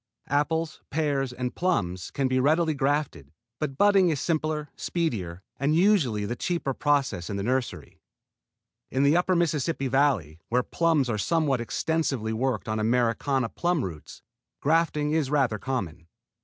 Apples, pears, and plums can be readily grafted, but budding is simpler, speedier, and usually the cheaper process in the nursery. In the upper Mississippi Valley, where plums are somewhat extensively worked on Americana plum roots, grafting is rather common.